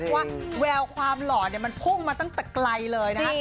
เพราะว่าแววความหล่อมันพุ่งมาตั้งแต่ไกลเลยนะฮะ